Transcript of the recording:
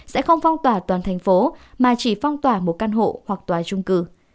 sẽ không phong tỏa toàn thành phố mà chỉ phong tỏa một căn hộ hoặc tòa trung cư